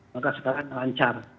maka sekarang lancar